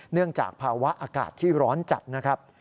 เนื่องจากภาวะอากาศที่ร้อนจัดนะครับ